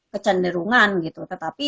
kecenderungan gitu tetapi